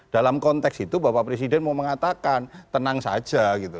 dalam konteks itu bapak presiden mau mengatakan tenang saja gitu